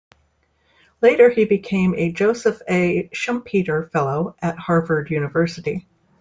Later he became a Joseph A. Schumpeter Fellow at Harvard University.